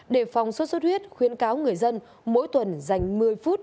đề phòng sốt xuất huyết khuyến cáo người dân mỗi tuần dành một mươi phút